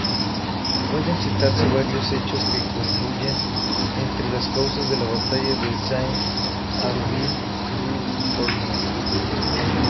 Pueden citarse varios hechos que confluyen entre las causas de la batalla de Saint-Aubin-du-Cormier.